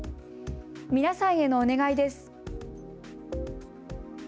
皆さんへのお願いです。